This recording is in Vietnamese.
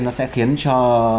nó sẽ khiến cho